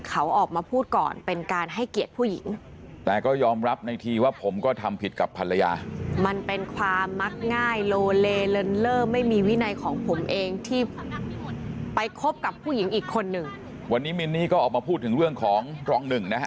ของผมเองที่ไปคบกับผู้หญิงอีกคนนึงวันนี้มินนี่ก็ออกมาพูดถึงเรื่องของรองหนึ่งนะฮะ